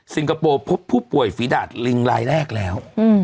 คโปร์พบผู้ป่วยฝีดาดลิงรายแรกแล้ว